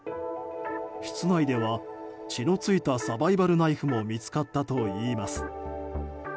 室内では血の付いたサバイバルナイフも見つかったといいます。